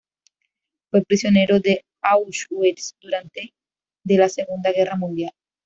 Fue prisionero de Auschwitz durante de la Segunda Guerra Mundial.